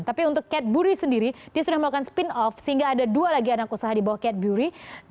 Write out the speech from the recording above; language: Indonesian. tapi untuk cat buri sendiri dia sudah melakukan spin off sehingga ada dua lagi anak usaha di bawah cat buri